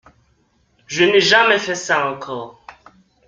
Je n’ai jamais fait ça encore.